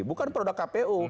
bukan produk kpu